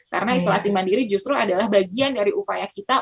karena isolasi mandiri justru adalah bagian dari upaya kita